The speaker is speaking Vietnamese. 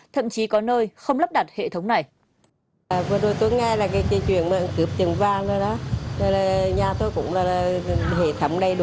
thậm chí có nơi không lắp đặt hệ thống này